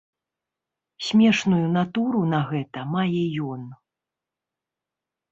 Смешную натуру на гэта мае ён.